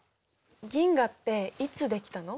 銀河っていつ出来たの？